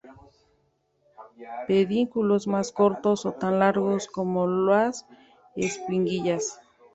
Pedúnculos más cortos o tan largos como las espiguillas.